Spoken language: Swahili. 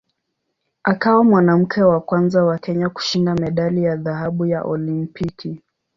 Akawa mwanamke wa kwanza wa Kenya kushinda medali ya dhahabu ya Olimpiki.